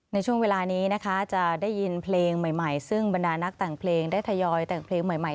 ในช่วงเวลานี้นะคะจะได้ยินเพลงใหม่ซึ่งบรรดานักแต่งเพลงได้ทยอยแต่งเพลงใหม่